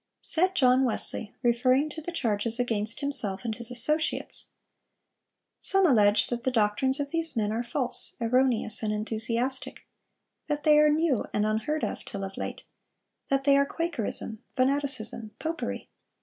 Said John Wesley, referring to the charges against himself and his associates: "Some allege that the doctrines of these men are false, erroneous, and enthusiastic; that they are new and unheard of till of late; that they are Quakerism, fanaticism, popery.